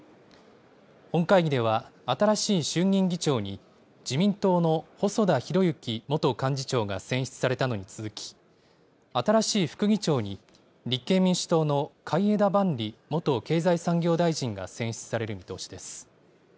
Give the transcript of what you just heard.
本会議では新しい衆議院議長に自民党の細田博之元幹事長が選出されたのに続き、新しい副議長に立憲民主党の海江田万里元経済産業大臣が選出される見通しです。